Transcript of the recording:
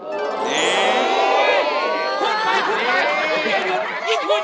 พูดไปอย่าหยุด